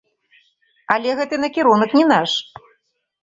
Але гэты накірунак не наш.